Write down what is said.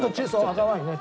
赤ワインね。